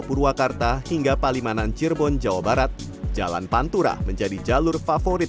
purwakarta hingga palimanan cirebon jawa barat jalan pantura menjadi jalur favorit